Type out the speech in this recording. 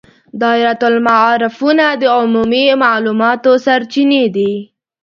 دایرة المعارفونه د عمومي معلوماتو سرچینې دي.